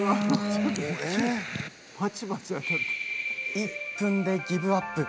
１分でギブアップ。